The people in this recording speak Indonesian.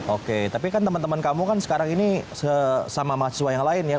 oke tapi kan teman teman kamu kan sekarang ini sama mahasiswa yang lain ya